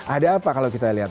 ada apa kalau kita lihat